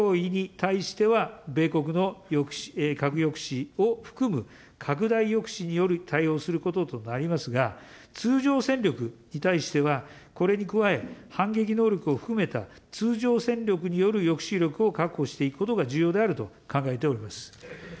そのため、核の脅威に対しては、米国の核抑止を含む、拡大抑止による対応することとなりますが、通常戦力に対しては、これに加え、反撃能力を含めた、通常戦力による抑止力を確保していくことが重要であると考えております。